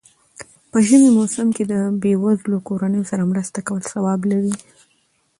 په ژمی موسم کی له بېوزلو کورنيو سره مرسته کول ثواب لري.